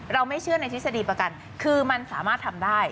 ไม่เชื่อในทฤษฎีประกันคือมันสามารถทำได้